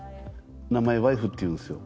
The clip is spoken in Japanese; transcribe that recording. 名前ワイフっていうんですよ。